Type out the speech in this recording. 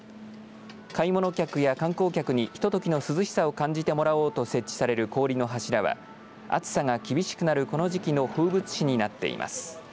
買い物客や観光客にひとときの涼しさを感じてもらおうと設置される氷の柱は、暑さが厳しくなるこの時期の風物詩になっています。